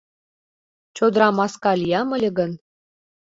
Чодыра маска лиям ыле гын